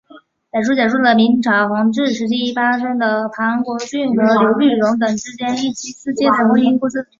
本书讲述了明朝弘治时期发生的庞国俊与刘玉蓉等之间一妻四妾的婚姻故事。